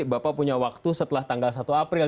bapak punya waktu setelah tanggal satu april